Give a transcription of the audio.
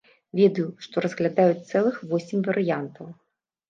Ведаю, што разглядаюць цэлых восем варыянтаў.